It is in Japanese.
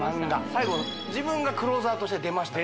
最後自分がクローザーとして出ましたでしょ